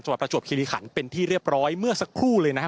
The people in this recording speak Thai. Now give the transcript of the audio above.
ประจวบคิริขันเป็นที่เรียบร้อยเมื่อสักครู่เลยนะฮะ